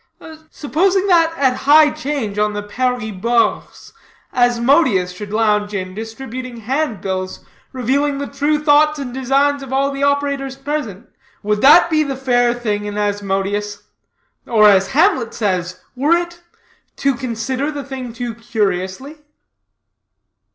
"Supposing that at high 'change on the Paris Bourse, Asmodeus should lounge in, distributing hand bills, revealing the true thoughts and designs of all the operators present would that be the fair thing in Asmodeus? Or, as Hamlet says, were it 'to consider the thing too curiously?'"